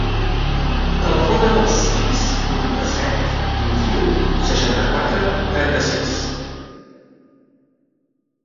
Telefona al sis, vuitanta-set, vint-i-u, seixanta-quatre, trenta-sis.